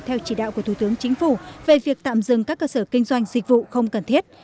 theo chỉ đạo của thủ tướng chính phủ về việc tạm dừng các cơ sở kinh doanh dịch vụ không cần thiết